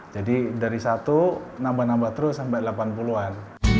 jadi dari satu nambah nambah terus sampai delapan puluh an